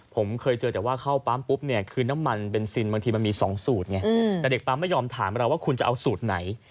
ผมเคยเจอแต่ว่าเข้าปั๊มปุ๊บเนี่ยคือน้ำมันเบนซินบางทีมันมี๒สูตรไงแต่เด็กปั๊มไม่ยอมถามเราว่าคุณจะเอาสูตรไหน